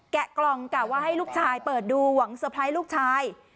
แกะกล่องแกะว่าให้ลูกชายเปิดดูหวังสัมพันธ์ลูกชาย